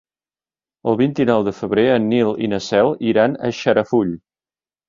El vint-i-nou de febrer en Nil i na Cel iran a Xarafull.